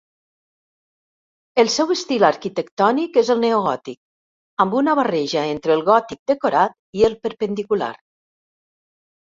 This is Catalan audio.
El seu estil arquitectònic és el neogòtic, amb una barreja entre el gòtic decorat i el perpendicular.